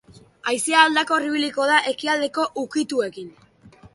Haizea aldakor ibiliko da, ekialdeko ukituekin.